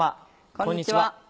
こんにちは。